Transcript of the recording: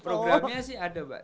programnya sih ada mbak